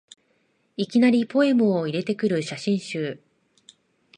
いきなりポエムを入れてくる写真集